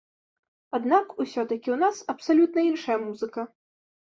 Аднак усё-такі ў нас абсалютна іншая музыка!